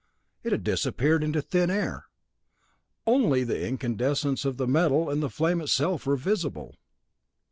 It had disappeared into thin air! Only the incandescence of the metal and the flame itself were visible.